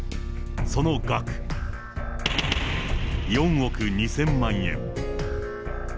その額、４億２０００万円。